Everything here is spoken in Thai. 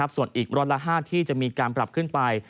ส่วนอีกร้อยละ๕ที่จะมีการปรับขึ้นไป